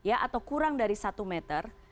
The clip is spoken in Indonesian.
atau kurang dari satu meter